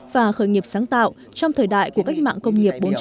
và khởi nghiệp sáng tạo trong thời đại của cách mạng công nghiệp bốn